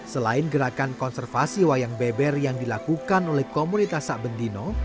selain gerakan konservasi wayang beber yang dilakukan oleh komunitas sak bendino